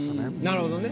なるほどね。